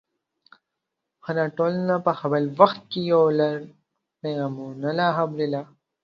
هره ټولنه په خپل وخت کې یو لړ پیغامونه او خبرې لري.